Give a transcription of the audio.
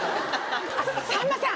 さんまさん